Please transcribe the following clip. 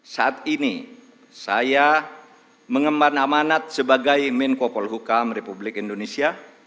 saat ini saya mengemban amanat sebagai menko polhukam republik indonesia